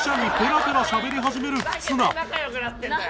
「仲良くなってるんだよ！」